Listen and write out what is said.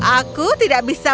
aku tidak bisa